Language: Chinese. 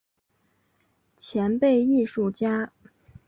前辈艺术家